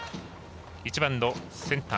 １番のセンター